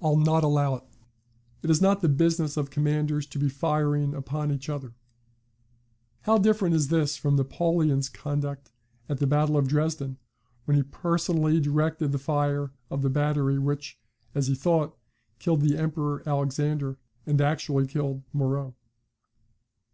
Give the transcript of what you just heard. I'll not allow it. It is not the business of commanders to be firing upon each other.'" Siborne, vol. ii. p. 263. How different is this from Napoleon's conduct at the battle of Dresden, when he personally directed the fire of the battery which, as he thought, killed the Emperor Alexander, and actually killed Moreau.